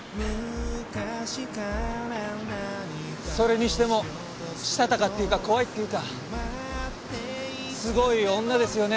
それにしてもしたたかっていうか怖いっていうかすごい女ですよね